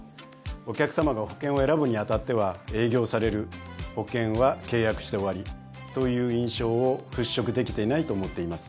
お客さまが保険を選ぶに当たっては「営業される」「保険は契約して終わり」という印象を払拭できていないと思っています。